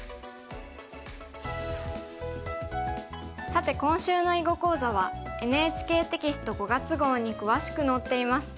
さて今週の囲碁講座はＮＨＫテキスト５月号に詳しく載っています。